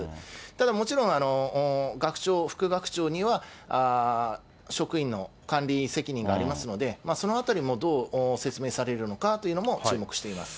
ただ、もちろん、学長、副学長には、職員の管理責任がありますので、そのあたりもどう説明されるのかというのも注目しています。